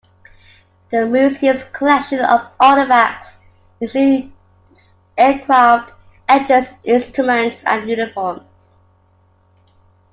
The museum's collection of artefacts includes aircraft, engines, instruments and uniforms.